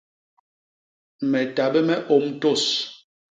Me ta bé me ôm tôs.